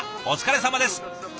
お疲れさまです。